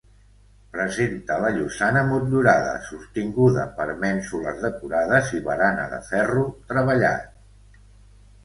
Presenta la llosana motllurada sostinguda per mènsules decorades i barana de ferro treballat.